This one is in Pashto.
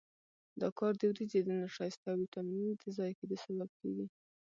دا کار د وریجو د نشایستې او ویټامینونو د ضایع کېدو سبب کېږي.